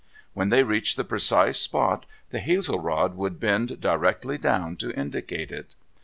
When they reached the precise spot the hazel rod would bend directly down to indicate it.